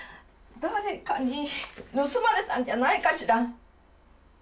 誰かに盗まれたんじゃないかしら？